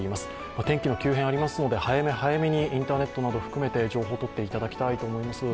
お天気の急変もありますので早め早めにインターネットなど含めて情報をとっていただきたいと思います。